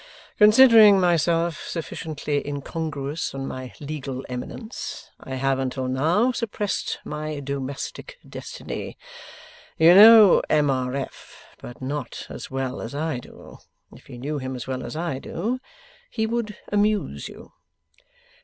Considering myself sufficiently incongruous on my legal eminence, I have until now suppressed my domestic destiny. You know M. R. F., but not as well as I do. If you knew him as well as I do, he would amuse you.